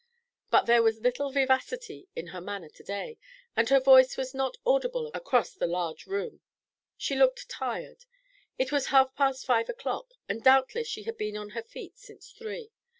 But there was little vivacity in her manner to day, and her voice was not audible across the large room. She looked tired. It was half past five o'clock, and doubtless she had been on her feet since three.